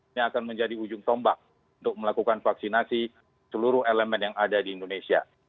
ini akan menjadi ujung tombak untuk melakukan vaksinasi seluruh elemen yang ada di indonesia